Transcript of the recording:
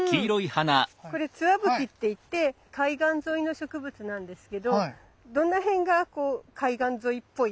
これツワブキっていって海岸沿いの植物なんですけどどの辺がこう海岸沿いっぽいっていうか。